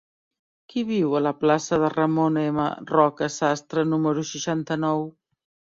Qui viu a la plaça de Ramon M. Roca Sastre número seixanta-nou?